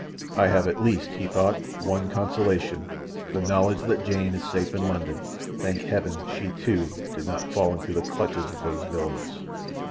"I have at least," he thought, "one consolation—the knowledge that Jane is safe in London. Thank Heaven she, too, did not fall into the clutches of those villains."